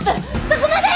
そこまで！